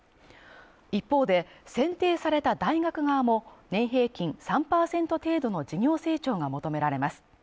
一方で選定された大学側も、年平均３％程度の事業成長が求められます。